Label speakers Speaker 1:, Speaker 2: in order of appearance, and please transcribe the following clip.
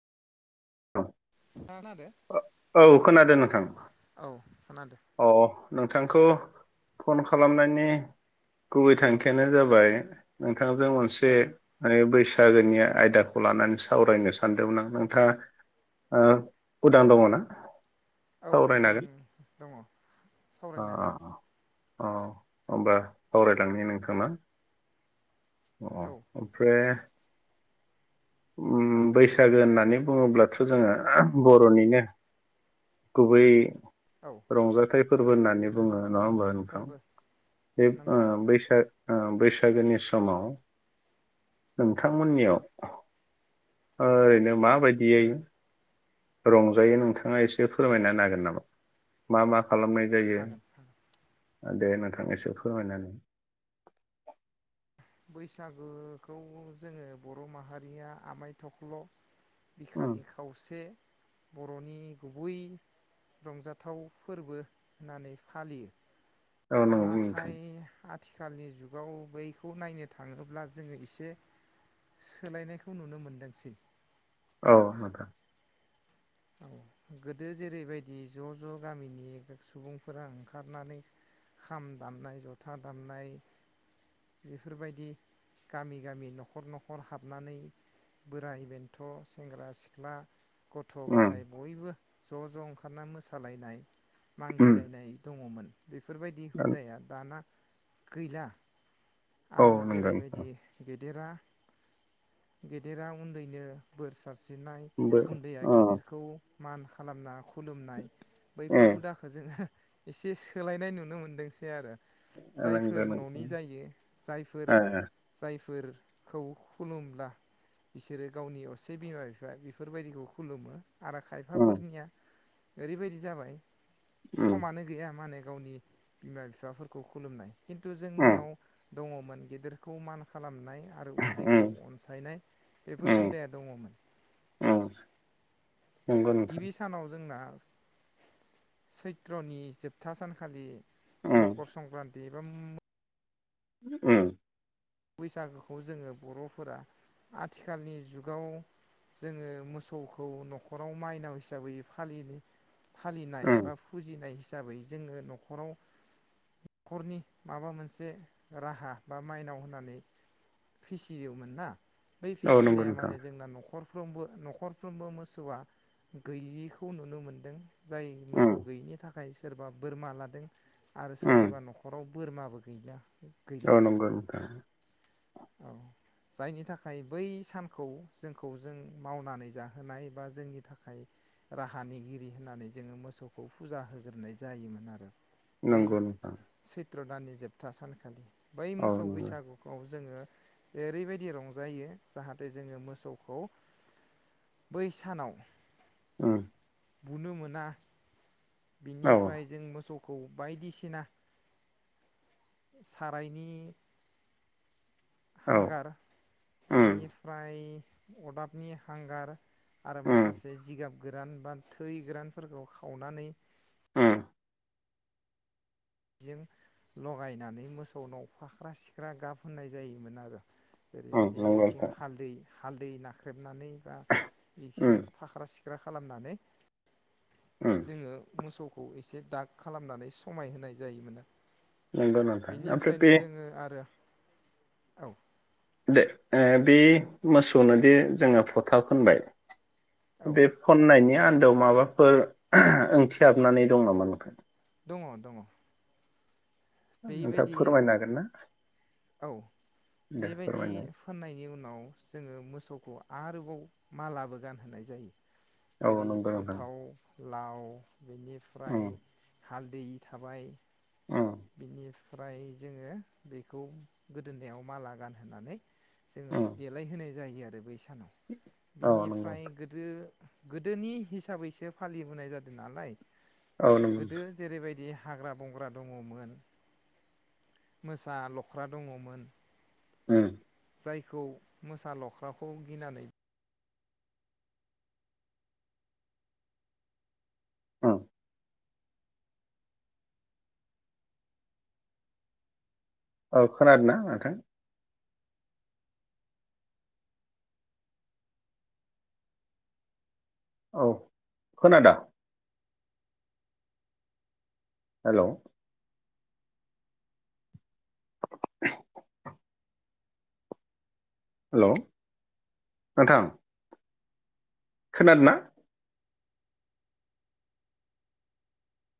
Speaker 1: नोंथाङा खोनादो?
Speaker 2: औ औ खोनादों नोंथां
Speaker 1: औ खोनादो।
Speaker 2: अ नोंथांखौ फन खालामनायनि गुबै थांखियानो जाबाय बिथां
Speaker 1: औ
Speaker 2: मोनसे ओ बैस बैसागोनि आयदाखौ लानानै सावरायनो सानदोंमोन आं नोंथाङा उदां दङ ना?
Speaker 1: औ
Speaker 2: सावरायनो
Speaker 1: उदां
Speaker 2: हागोन
Speaker 1: दङ
Speaker 2: अ
Speaker 1: सावरायनो हागोन।
Speaker 2: अ होबा सावरायलांनो नोंथां ना अ
Speaker 1: औ
Speaker 2: ओमफ्राय उम बैसागो होननानै बुङोब्लाथ थ जोङो बर'निनो गुबै
Speaker 1: औ
Speaker 2: रंजाथाय फोरबो होननानै बुङो। नङा होनबा नोंथां
Speaker 1: फोरबो
Speaker 2: बे
Speaker 1: नंगौ
Speaker 2: बैसागो ओ बैसागोनि समाव
Speaker 1: औ
Speaker 2: नोंथांमोननियाव औ
Speaker 1: औ
Speaker 2: ओरैनो माबायदियै रंजायो नोंथाङा एसे फोरमायना होनो हागोन नामा मा मा? खालामनाय जायो।
Speaker 1: हागोन हागोन
Speaker 2: दे नोंथां एसे फोरमायना होनाय।
Speaker 1: बैसागोखौ जोङो बर माहारिया आमाय थख्ल
Speaker 2: उम
Speaker 1: बिखानि खावसे बर'नि गुबै रंजाथाव फोरबो होननानै फालियो।
Speaker 2: औ नंगौ नोंथां
Speaker 1: नाथाय आथिखालनि जुगाव बै खौ नायनो थाङोब्ला जोङो एसे सोलायनायखौ नुनो मोनदोंसै।
Speaker 2: औ नोंथां
Speaker 1: औ गोदो जेरैबायदि ज ज गामिनि सुबुंफोरा ओंखारनानै खाम दामनाय जथा दामनाय बेफोरबायदि गामि गामि न'खर न'खर हाबनानै बोराय बेन्थ सेंग्रा सिख्ला गथ गथ
Speaker 2: उम
Speaker 1: गथाय बयबो ज ज ओंखारना मोसालायनाय
Speaker 2: उम
Speaker 1: मागिलायनाय दङमोन। [inaudible] बेफोरबायदि हुदाया दाना गैला।
Speaker 2: औ
Speaker 1: आरो
Speaker 2: नंगौ नोंथां
Speaker 1: जेरैबायदि देरा गेदेरा उन्दैनो बोर सा सारस्रिनाय
Speaker 2: बो
Speaker 1: उन्दैया
Speaker 2: अ
Speaker 1: गेदे खौ मान खालामना खु खुलुमनाय
Speaker 2: ए
Speaker 1: बैफोर हुदाखो जोङो एसे सोलायनाय नुनो मोनदोंसै आरो।
Speaker 2: नंगौ
Speaker 1: जायफोर ननि
Speaker 2: नोंथां
Speaker 1: जायो जायफोर
Speaker 2: ए
Speaker 1: जाय फोरखौ खुलुमब्ला बिसोरो गावनि असे बिमा बिफा बेफोरबायदिखौ खुलुमो। आरो
Speaker 2: उम
Speaker 1: खायफाफोरनिया ओरैबायदि जाबाय
Speaker 2: उम
Speaker 1: समानो गैया माने गावनि बिमा बिफाफोरखौ खुलुमनाय। खिन्थु
Speaker 2: उम
Speaker 1: जोंनियाव दङमोन गिदिरखौ मान खालामनाय। आरो उन्दैखौ
Speaker 2: उम
Speaker 1: अनसायनाय बेफोर
Speaker 2: उम
Speaker 1: हुदाया दङमोन।
Speaker 2: उम नंगौ नोंथां
Speaker 1: गिबि सानाव जोंना सैत्रनि जोबथा सानखालि
Speaker 2: उम
Speaker 1: मकर संक्रान्ति जम्म
Speaker 2: ओम।
Speaker 1: बैसागोखौ जोङो बरफोरा आथिखालनि जुगाव जोङो मोसौखौ नखराव माइनाव हिसाबै फालि फालिनाय
Speaker 2: उम
Speaker 1: बा फुजिनाय हिसा हिसाबै जोङो नखराव नखरनि माबा मोनसे राहा बा माइनाव होननानै नानै फिसियोमोनना। बै
Speaker 2: औ नंगौ
Speaker 1: फिसिनाया
Speaker 2: नोंथां
Speaker 1: माने जोंना नखर साफ्रोमबो नखरफ्रोमबो मोसौआ गैयिखौ नुनो मोनदों जाय
Speaker 2: उम
Speaker 1: मोसौ गैयिनि थाखाय सोरबा बोरमा लादों। आरो
Speaker 2: उम
Speaker 1: सोरनिबा नखराव बोरमाबो गैला। गैला
Speaker 2: औ नंगौ नोंथां [inaudible]
Speaker 1: औ जायनि थाखाय बै सानखौ जोंखौ जों मावनानै जाहोनाय बा जोंनि थाखाय राहानिगिरि होननानै जोङो मोसौखौ फुजा होग्रोनाय जायोमोन आरो बै
Speaker 2: नंगौ नोंथां
Speaker 1: सैत्र दाननि जोबथा सानखालि बै
Speaker 2: औ
Speaker 1: मोसौ
Speaker 2: नंगौ
Speaker 1: बैसागु खौ जोङो ओरैबायदि रंजायो जाहाथे जोङो मोसौखौ बै सानाव
Speaker 2: ओम
Speaker 1: बुनो मोना
Speaker 2: औ
Speaker 1: बिनिफ्राय जों मोसौ खौ बायदिसिना साराइनि
Speaker 2: औ
Speaker 1: हांगार
Speaker 2: उम
Speaker 1: बिनिफ्राय अरदाबनि हांगार आरो
Speaker 2: उम
Speaker 1: माखासे जिगाब गोरान बा थोरि गोरानफोरखौ खावनानै
Speaker 2: उम
Speaker 1: बेजों लगायनानै मोसौनाव फाख्रा सिख्रा गाब होनाय जायोमोन आरो
Speaker 2: उम
Speaker 1: जेरैबायदि
Speaker 2: नंगौ
Speaker 1: बिथिं
Speaker 2: नोंथां
Speaker 1: हालदै हालदै नाख्रेबनानै दा बिदिसो
Speaker 2: उम
Speaker 1: फाख्रा सि ख्रा खालामनानै
Speaker 2: उम
Speaker 1: जोङो मोसौखौ खौ एसे दाग खालामनानै समाय होनाय जायोमोन
Speaker 2: नंगौ नोंथां ओमफ्राय
Speaker 1: बेनिफ्रायनो
Speaker 2: बे
Speaker 1: जोङो आरो औ
Speaker 2: दे ओ बे मोसौनोदि जोङो फथा फोनबाय
Speaker 1: औ
Speaker 2: बे फननायनि आ न्दोआव माबाफोर ओंथि हाबनानै दं नामा नोंथां
Speaker 1: दङ दङ
Speaker 2: नोंथां
Speaker 1: बेबायदि
Speaker 2: फोरमायनो हागोन ना
Speaker 1: औ
Speaker 2: दे
Speaker 1: बेबायदि
Speaker 2: फोरमायनो
Speaker 1: फोननायनि उन नाव जोङो मोसौखौ आरोबाव मालाबो गानहोनाय जायो
Speaker 2: औ
Speaker 1: जेरै
Speaker 2: नंगौ नोंथां
Speaker 1: फान्थाव लाउ बेनिफ्राय
Speaker 2: उम
Speaker 1: हालदै थाबाय।
Speaker 2: उम
Speaker 1: बिनि फ्राय जोङो बेखौ गोदोनायाव माला गानहोनानै जोङोस
Speaker 2: उम
Speaker 1: देलाय होनाय जायो। आरो बै सानाव
Speaker 2: औ नंगौ
Speaker 1: बिनिफ्राय गोदो गोदोनि हिसाबैसो फालिबोनाय जादों नालाय
Speaker 2: औ नंगौ
Speaker 1: गोदो जेरैबायदि हाग्रा बंग्रा दं ङमोन मोसा लख्रा दङमोन।
Speaker 2: उम
Speaker 1: जायखौ मोसा लख्राखौ गिनानै
Speaker 2: औ औ खोनादोंना नोंथां? औ खोनादो। हेलौ [inaudible] हेलौ नोंथां। खोनादोना?